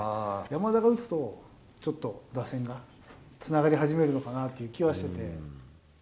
山田が打つと、ちょっと打線がつながり始めるのかなという気はしてて。